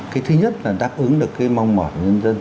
cái thứ nhất là đáp ứng được cái mong mỏi của nhân dân